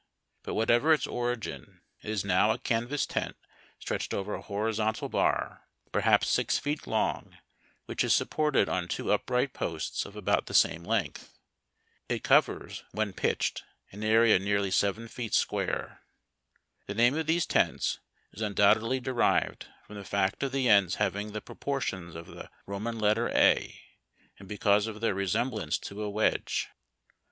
But, whatever its origin, it is 710W a canvas tent stretched over a hoi'izontal bar, perhaps A, OK WEDGE TENTS. HOW THE SOLDIERS WEllE SHELTERED. 49 six feet long, which is siipi)orted on two upright posts of about the same length. It covers, when pitched, an area nearly seven feet square. The name of these tents is undoubtedly derived from the fact of the ends having the pro portions of the Ro man letter A, and be cause of their resem blance to a wedge.